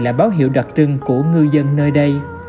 là báo hiệu đặc trưng của ngư dân nơi đây